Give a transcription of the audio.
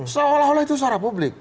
seolah olah itu secara publik